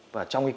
và trong cốc này